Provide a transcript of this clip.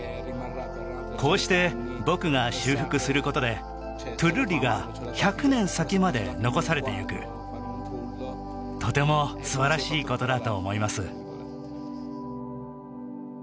こうして僕が修復することでトゥルッリが１００年先まで残されていくとても素晴らしいことだと思います